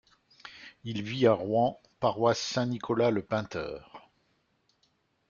Il vit à Rouen, paroisse Saint-Nicolas-le-Painteur.